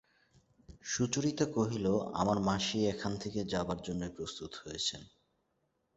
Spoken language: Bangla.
সুচরিতা কহিল, আমার মাসি এখান থেকে যাবার জন্যেই প্রস্তুত হয়েছেন।